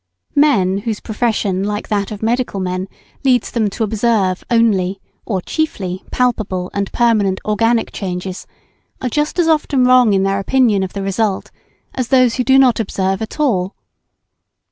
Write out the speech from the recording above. Men whose profession like that of medical men leads them to observe only, or chiefly, palpable and permanent organic changes are often just as wrong in their opinion of the result as those who do not observe at all.